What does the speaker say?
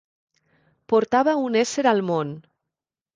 Portava un ésser al món.